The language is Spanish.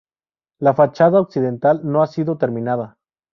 La fachada occidental no ha sido terminada.